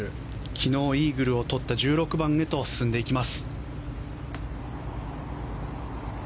昨日イーグルをとった１６番へと進んでいきます。